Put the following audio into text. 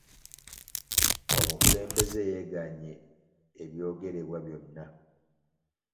Omukulembeze yeegaanye ebyogererebwa byonna.